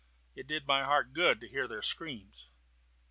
It did my heart good to hear their screams.